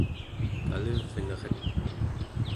kalivneret